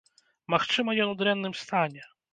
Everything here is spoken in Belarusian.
Магчыма, ён у дрэнным стане?